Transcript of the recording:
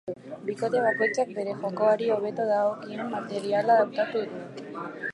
Bikote bakoitzak bere jokoari hobeto doakion materiala hautatu du.